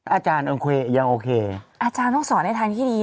อาจารย์โอเคยังโอเคอาจารย์ต้องสอนในทางที่ดี